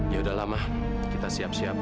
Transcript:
ya udah lama kita siap siap